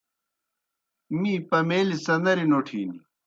می پمَیلیْ څنَریْ نوٹِھن۔